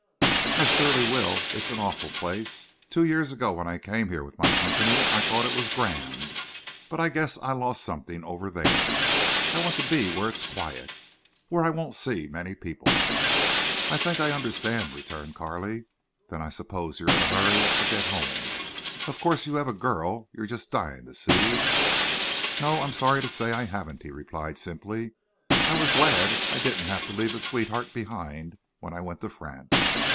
"I surely will. It's an awful place. Two years ago when I came here with my company I thought it was grand. But I guess I lost something over there. ... I want to be where it's quiet. Where I won't see many people." "I think I understand," returned Carley. "Then I suppose you're in a hurry to get home? Of course you have a girl you're just dying to see?" "No, I'm sorry to say I haven't," he replied, simply. "I was glad I didn't have to leave a sweetheart behind, when I went to France.